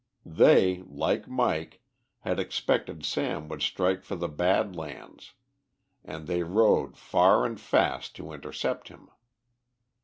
They, like Mike, had expected Sam would strike for the Bad Lands, and they rode far and fast to intercept him.